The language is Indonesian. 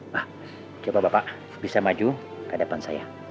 wah coba bapak bisa maju ke hadapan saya